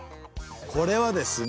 これはですね。